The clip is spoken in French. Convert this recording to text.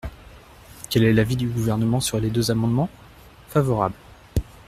Quel est l’avis du Gouvernement sur ces deux amendements ? Favorable.